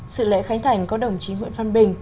sự lễ khánh thành có đồng chí nguyễn văn bình